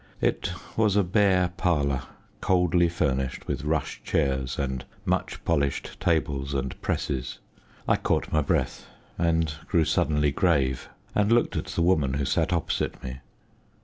It was a bare parlour, coldly furnished with rush chairs and much polished tables and presses. I caught my breath, and grew suddenly grave, and looked at the woman who sat opposite me.